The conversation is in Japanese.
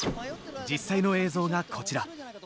実際の映像がこちら。